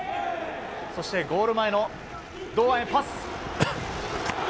そしてゴール前の堂安へパス。